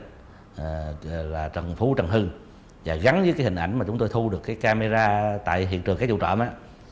đó là trần phú trần hưng và thì gắn với hình ảnh mà chúng tôi thu được camera tại kiện trường cái vụ trộm á